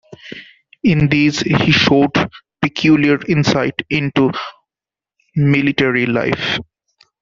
In these he showed peculiar insight into military life.